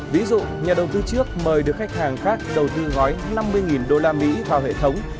ví dụ nhà đầu tư trước mời được khách hàng khác đầu tư gói năm mươi usd vào hệ thống